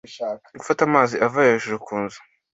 gufata amazi ava hejuru ku nzu